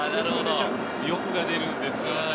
欲が出るんですよ。